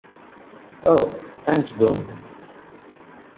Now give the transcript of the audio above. Oh, thanks bro.